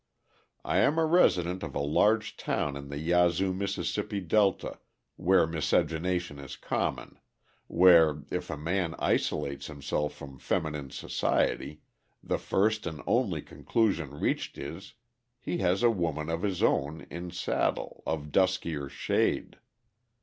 I am a resident of a large town in the Yazoo Mississippi Delta, where miscegenation is common where, if a man isolates himself from feminine society, the first and only conclusion reached is, "he has a woman of his own" in saddle, of duskier shade.